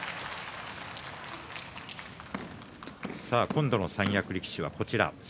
今度の三役力士はこちらです。